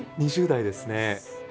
２０代ですね。